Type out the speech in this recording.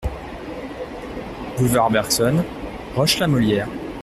Boulevard Bergson, Roche-la-Molière